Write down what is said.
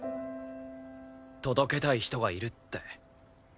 届けたい人がいるって。